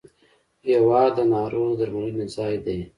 هېواد د ناروغ د درملنې ځای دی.